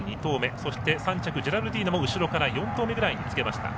そして３着、ジェラルディーナも後ろから４頭目ぐらいにつけました。